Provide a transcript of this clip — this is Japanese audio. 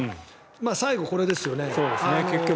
最後これですよね。